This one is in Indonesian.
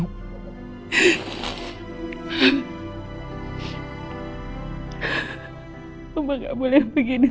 mama gak boleh begini